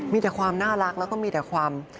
มีแต่ความน่ารักแล้วก็มีแต่ความ